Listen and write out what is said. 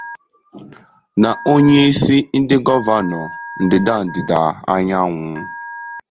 na onyeisi ndị Gọvanọ ndịda-ndịda anyanwụ